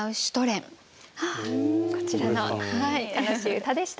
こちらの楽しい歌でした。